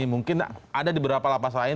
mungkin ada di beberapa lapas lain